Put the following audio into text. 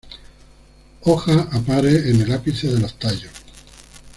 Hojas a pares en el ápice de los tallos.